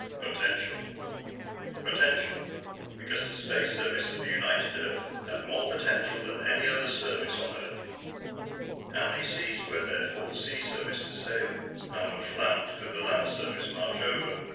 Potential. Potential! Because the Space Service of the United Earth had more potential than any other Service on Earth. How many seas were there for the Sea Service to sail? How much land could the Land Service march over?